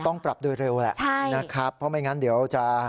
ต้องปรับโดยเร็วแหละใช่นะครับเพราะไม่งั้นเดี๋ยวจะ